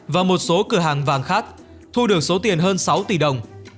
và một số cửa hàng vàng khác thu được số tiền hơn sáu tỷ đồng